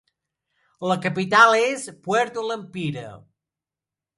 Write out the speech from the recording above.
La capital és Puerto Lempira.